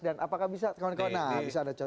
dan apakah bisa kawan kawan nah bisa ada